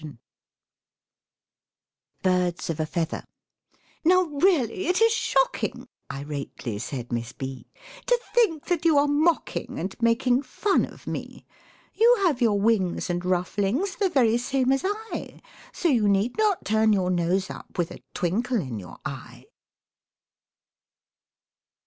BIRDS OF A FEATHER "Now really it is shocking!" irately said Miss B, "To think that you are mocking and making fun of me. You have your wings and rufflings the very same as I, So you need not turn your nose up, with a twinkle in your eye."